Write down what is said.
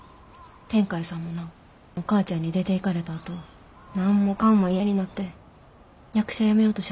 天海さんもなお母ちゃんに出ていかれたあと何もかんも嫌になって役者辞めようとしはったんやて。